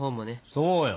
そうよ。